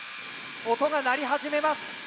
音が鳴り始めます。